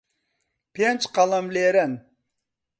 پێنج قەڵەم لێرەن.